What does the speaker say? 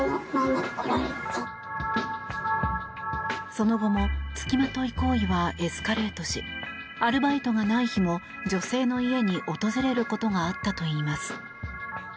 その後も付きまとい行為はエスカレートしアルバイトがない日も女性の家に訪れることがあったといいます。